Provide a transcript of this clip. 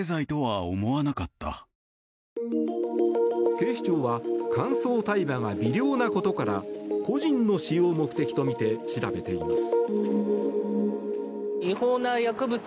警視庁は乾燥大麻が微量なことから個人の使用目的とみて調べています。